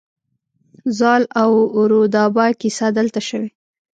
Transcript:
زال او رودابه کیسه دلته شوې